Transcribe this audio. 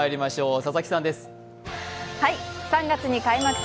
佐々木さんです。